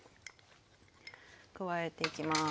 加えていきます。